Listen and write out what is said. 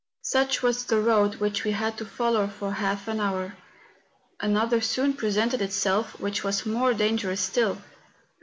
Such was the road which we had to follow for half an hour. Another soon presented itself which was more dangerous still.